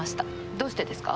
どうしてですか？